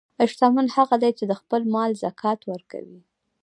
شتمن هغه دی چې د خپل مال زکات ورکوي.